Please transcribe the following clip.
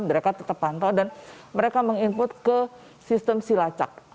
mereka tetap pantau dan mereka meng input ke sistem silacak